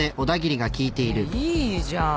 えっいいじゃん。